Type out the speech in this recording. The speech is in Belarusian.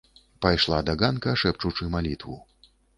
Пайшла да ганка шэпчучы малітву.